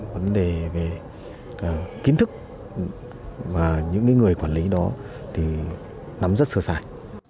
vấn đề về kiến thức và những người quản lý đó thì nắm rất sơ sài